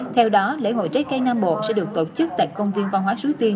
theo đó lễ hội trái cây nam bộ sẽ được tổ chức tại công viên văn hóa suối tiên